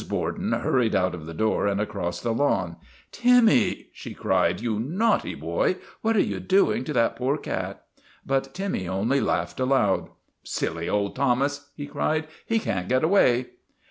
Borden hurried out of the door and across the lawn. : Timmy !" she cried. " You naughty boy, what are you doing to that poor cat ?' But Timmy only laughed aloud. " Silly old Thomas !" he cried. " He can't get away."